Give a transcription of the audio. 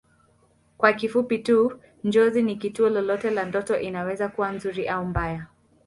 Kwa kifupi tu Njozi ni tukio lolote la ndoto inaweza kuwa nzuri au mbaya